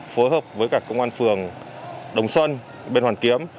phối hợp với cả công an phường đồng xuân bên hoàn kiếm